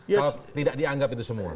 kalau tidak dianggap itu semua